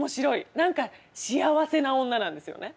何か幸せな女なんですよね。